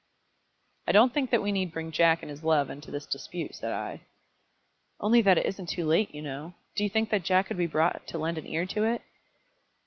"I don't think that we need bring Jack and his love into this dispute," said I. "Only that it isn't too late, you know. Do you think that Jack could be brought to lend an ear to it?"